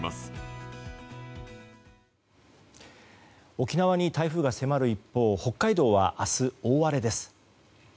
沖縄に台風が迫る一方北海道は明日大荒れです。